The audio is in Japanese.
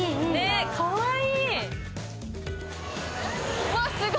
かわいい。